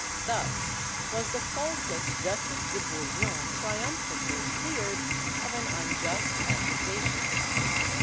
Thus was the faultless Duchesse de Bouillon triumphantly cleared of an unjust accusation.